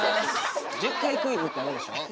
１０回クイズってあるでしょう。